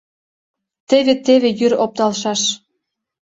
Теве-теве йӱр опталшаш.